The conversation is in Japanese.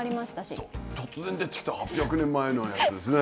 そう突然出てきた８００年前のやつですね。